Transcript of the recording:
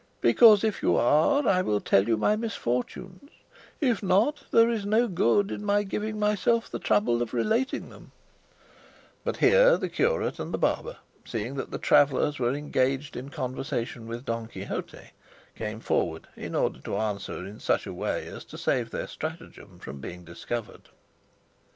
Because if you are I will tell you my misfortunes; if not, there is no good in my giving myself the trouble of relating them;" but here the curate and the barber, seeing that the travellers were engaged in conversation with Don Quixote, came forward, in order to answer in such a way as to save their stratagem from being discovered.